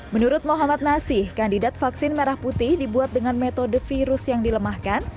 menurut muhammad nasih kandidat vaksin merah putih dibuat dengan metode virus yang dilemahkan